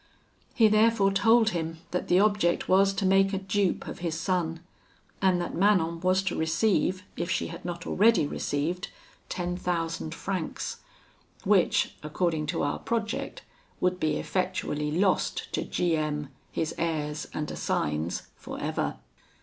He therefore told him that the object was to make a dupe of his son; and that Manon was to receive, if she had not already received, ten thousand francs, which, according to our project, would be effectually lost to G M , his heirs and assigns for ever.